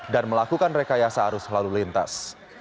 dan melakukan rekayasa arus lalu lintas